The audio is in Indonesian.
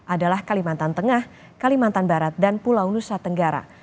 adalah kalimantan tengah kalimantan barat dan pulau nusa tenggara